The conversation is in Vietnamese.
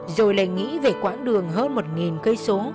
rồi lại nghĩ về quãng đường hơn một cây số